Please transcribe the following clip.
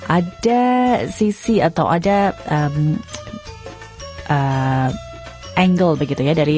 ada sisi atau ada angle dari usaha security